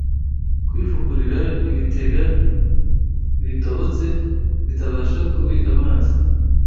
kwifukurira ibitega bitobotse bitabasha kubika amazi!